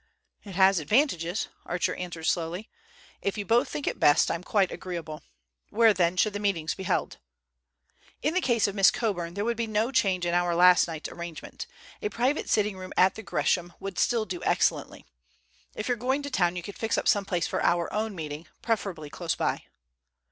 "It has advantages," Archer answered slowly. "If you both think it best, I'm quite agreeable. Where then should the meetings be held?" "In the case of Miss Coburn there would be no change in our last night's arrangement; a private sitting room at the Gresham would still do excellently. If you're going to town you could fix up some place for our own meeting—preferably close by."